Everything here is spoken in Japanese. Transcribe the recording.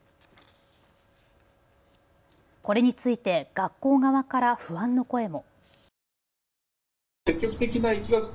これについて学校側から不安の声も。